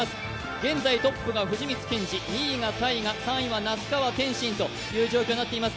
現在トップが藤光謙司、２位がＴＡＩＧＡ３位は那須川天心ということになっています。